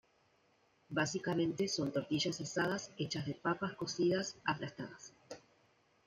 Básicamente son tortillas asadas, hechas de papas cocidas, aplastadas.